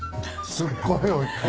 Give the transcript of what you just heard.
すっごいおいしい。